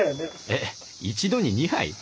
えっ一度に２杯？